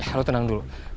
ya lo tenang dulu